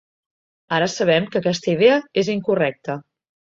Ara sabem que aquesta idea és incorrecta.